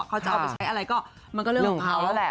เขาจะเอาไปใช้อะไรก็มันก็เรื่องของเขาแล้วแหละ